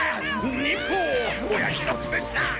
忍法親父の靴下！